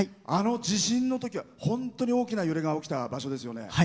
あの地震の時はホントに大きな揺れが起きた場所ですよね。